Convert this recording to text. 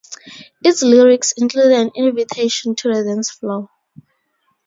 Its lyrics include an invitation to the dance floor.